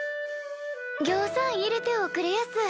ぎょうさん入れておくれやす。